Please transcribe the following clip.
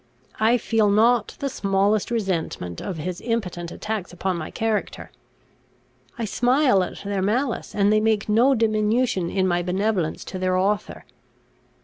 I feel not the smallest resentment of his impotent attacks upon my character; I smile at their malice; and they make no diminution in my benevolence to their author.